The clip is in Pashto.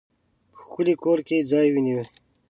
په ښکلي کور کې ځای ونیوی.